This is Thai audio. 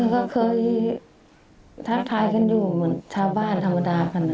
ก็เคยทักทายกันอยู่เหมือนชาวบ้านธรรมดากัน